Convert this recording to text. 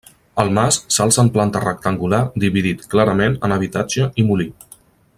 El mas s'alça en planta rectangular dividit clarament en habitatge i molí.